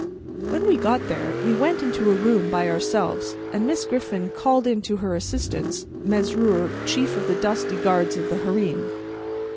When we got there, we went into a room by ourselves, and Miss Griffin called in to her assistance, Mesrour, chief of the dusky guards of the Hareem.